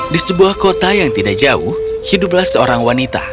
di sebuah kota yang tidak jauh hiduplah seorang wanita